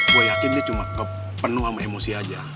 gue yakin dia cuma penuh sama emosi aja